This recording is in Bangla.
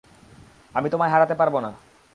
আমি তোমায় হারাতে পারবো না।